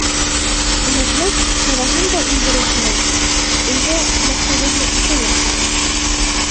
Күнәкләп таҙаһын да индерер кәрәк, өйҙә феләктәгеһе бөтә лә ҡуя.